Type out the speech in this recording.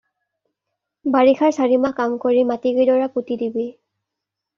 বাৰিষাৰ চাৰি মাহ কাম কৰি মাটিকেইডৰা পুতি দিবি।